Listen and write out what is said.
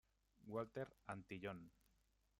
Walter Antillón.